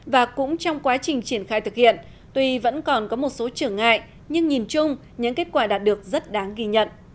và cũng trong quá trình triển khai thực hiện tuy vẫn còn có một số trở ngại nhưng nhìn chung những kết quả đạt được rất đáng ghi nhận